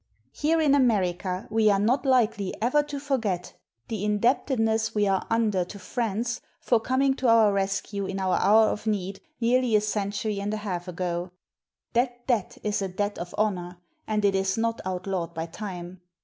Here in America we are not 226 THE MODERNITY OF MOLIERE likely ever to forget the indebtedness we are under to France for coming to our rescue in our hour of need nearly a century and a half ago; that debt is a debt of honor and it is not out lawed by time.